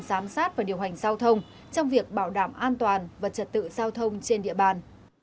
giám sát và điều hành giao thông trong việc bảo đảm an toàn và trật tự giao thông trên địa bàn